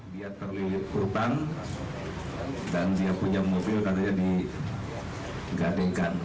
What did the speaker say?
dia berlipur tangan dan dia punya mobil katanya di